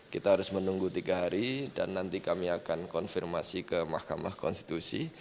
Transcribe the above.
kita harus menunggu tiga hari dan nanti kami akan konfirmasi ke mahkamah konstitusi